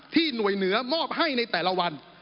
หน่วยเหนือมอบให้ในแต่ละวัน